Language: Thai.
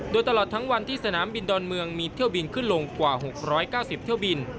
โดยตลอดทั้งวันที่สนามบินดอนเมืองมีเที่ยวบินขึ้นลงกว่า๖๙๐เที่ยวบิน